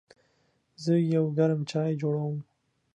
زه یو ګرم چای جوړوم.